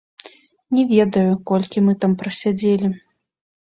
Не ведаю, колькі мы там прасядзелі.